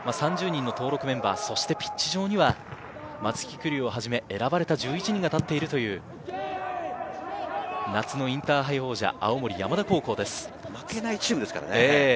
３０人の登録メンバー、そしてピッチ上には松木玖生をはじめ、選ばれた１１人が立っているという夏のインターハイ王者・負けないチームですからね。